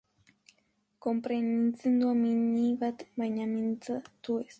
Konprenitzen du amiñi bat, baina mintzatu, ez.